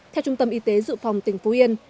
theo trung tâm y tế dự phòng tỉnh phú yên